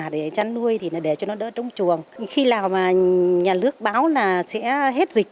để chăn nuôi để cho nó đỡ chống chuồng khi nào nhà nước báo sẽ hết dịch